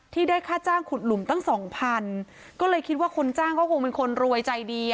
ได้ค่าจ้างขุดหลุมตั้งสองพันก็เลยคิดว่าคนจ้างก็คงเป็นคนรวยใจดี